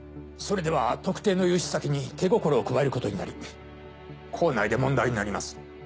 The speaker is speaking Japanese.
それでは特定の融資先に手心を加えることになり行内で問題になります。